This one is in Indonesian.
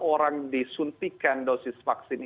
orang disuntikan dosis vaksin